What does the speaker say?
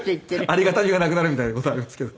ありがたみがなくなるみたいな事あるんですけど。